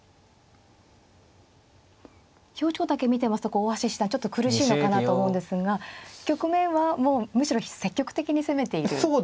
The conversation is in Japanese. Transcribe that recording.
表情だけ見てますと大橋七段ちょっと苦しいのかなと思うんですが局面はもうむしろ積極的に攻めている。